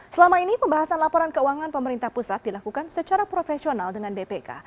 selama ini pembahasan laporan keuangan pemerintah pusat dilakukan secara profesional dengan bpk